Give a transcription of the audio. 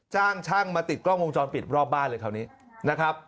จ้างช่างมาติดกล้องวงจรปิดรอบบ้านเลยคราวนี้นะครับ